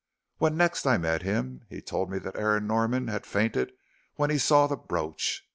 When next I met him, he told me that Aaron Norman had fainted when he saw the brooch.